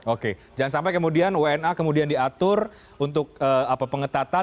oke jangan sampai kemudian wna kemudian diatur untuk pengetatan